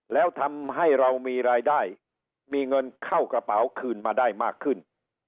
แล้วทำให้เรามีรายได้มีเงินเข้ากระเป๋าคืนมาได้มากขึ้น